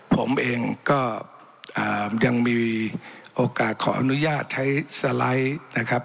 ผมเองก็ยังมีโอกาสขออนุญาตใช้สไลด์นะครับ